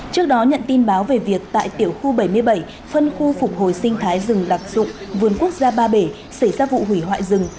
trước đó nhận tin báo về việc tại tiểu khu bảy mươi bảy phân khu phục hồi sinh thái rừng đặc dụng vườn quốc gia ba bể xảy ra vụ hủy hoại rừng